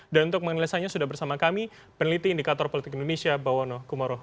dan untuk menilainya sudah bersama kami peneliti indikator politik indonesia bawono kumaro